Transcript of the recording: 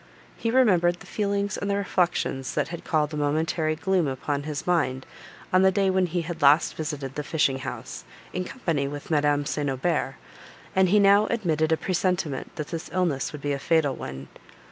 He remembered the feelings and the reflections that had called a momentary gloom upon his mind, on the day when he had last visited the fishing house, in company with Madame St. Aubert, and he now admitted a presentiment, that this illness would be a fatal one.